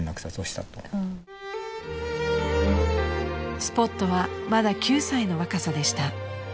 ［スポットはまだ９歳の若さでした］